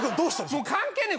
もう関係ねえ